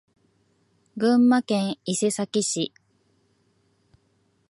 群馬県伊勢崎市